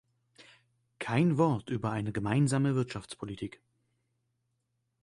Kein Wort über eine gemeinsame Wirtschaftspolitik!